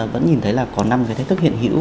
vẫn nhìn thấy là có năm cái thách thức hiện hữu